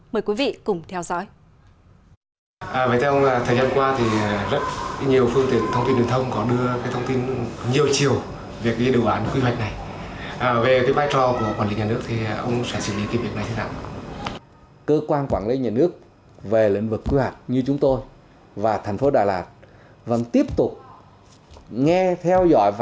mời quý vị cùng theo dõi